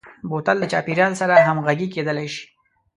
بوتل د چاپیریال سره همغږي کېدلای شي.